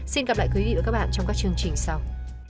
xin gặp lại quý vị và các bạn trong các chương trình sau